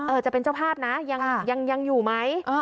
จะเป็นเจ้าภาพนะยังอยู่ไหม